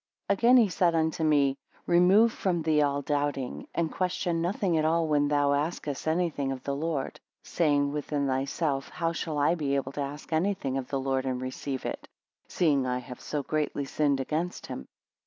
AGAIN he said unto me; remove from thee all doubting; and question nothing at all when thou askest any thing of the Lord; saying within thyself, how shall I be able to ask any thing of the Lord and receive it, seeing I have so greatly sinned against him?